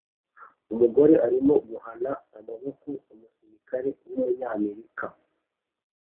Umugore arimo guhana amaboko umusirikare w umunyamerika